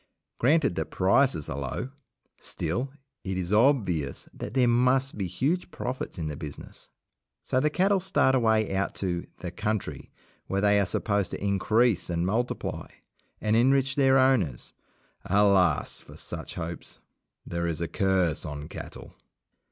Granted that prices are low, still it is obvious that there must be huge profits in the business. So the cattle start away out to "the country", where they are supposed to increase and multiply, and enrich their owners. Alas! for such hopes. There is a curse on cattle.